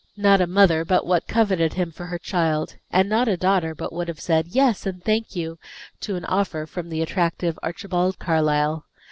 Not a mother but what coveted him for her child, and not a daughter but would have said, "Yes, and thank you," to an offer from the attractive Archibald Carlyle.